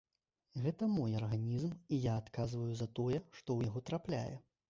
Гэта мой арганізм, і я адказваю за тое, што ў яго трапляе.